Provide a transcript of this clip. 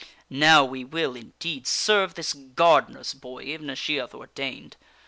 Now we will indeed serve this gardener's boy ven as she hath ordained.